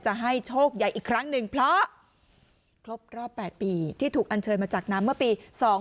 จะให้โชคใหญ่อีกครั้งหนึ่งเพราะครบรอบ๘ปีที่ถูกอันเชิญมาจากน้ำเมื่อปี๒๕๖